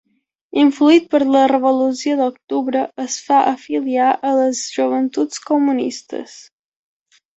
Influït per la revolució d'octubre es fa afiliar a les joventuts comunistes.